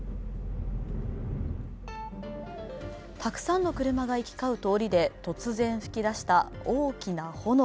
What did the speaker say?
たくさんの車が行き交う通りで突然噴き出した大きな炎。